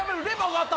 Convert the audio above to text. あった！